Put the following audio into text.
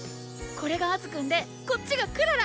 これがアズくんでこっちがクララ！